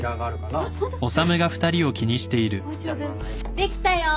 できたよ。